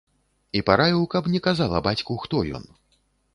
І параіў, каб не казала бацьку, хто ён.